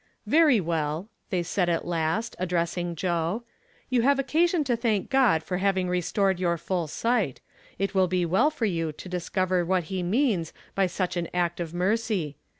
"Very well," they said at last, addressing Jo6 ;" you have occasion to thank God for having restored your full sight. It will be well for you to discover what he means by such an act of mercy.